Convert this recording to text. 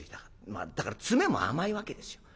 まあだから詰めも甘いわけですよ。